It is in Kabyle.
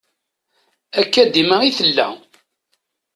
Akka dima i tella.